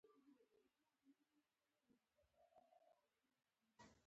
دواړو لړیو هغې ته د طمعې سترګې نیولي وې.